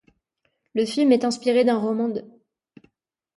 Le film est inspiré d'un roman d'.